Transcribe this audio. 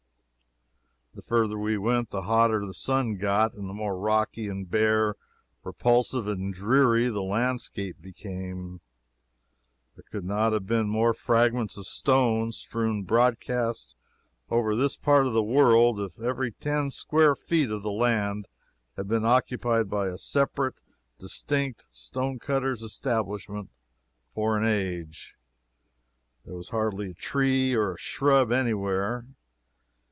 The further we went the hotter the sun got, and the more rocky and bare, repulsive and dreary the landscape became. There could not have been more fragments of stone strewn broadcast over this part of the world, if every ten square feet of the land had been occupied by a separate and distinct stonecutter's establishment for an age. There was hardly a tree or a shrub any where.